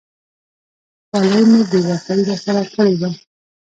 خولۍ مې بې وفایي را سره کړې وه.